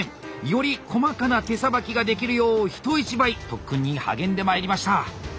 より細かな手さばきができるよう人一倍特訓に励んでまいりました。